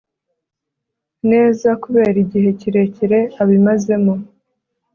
neza kubera igihe kirekire abimazemo